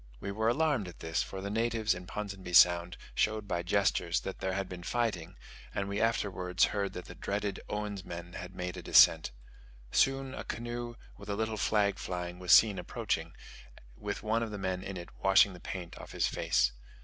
We were alarmed at this, for the natives in Ponsonby Sound showed by gestures, that there had been fighting; and we afterwards heard that the dreaded Oens men had made a descent. Soon a canoe, with a little flag flying, was seen approaching, with one of the men in it washing the paint off his face.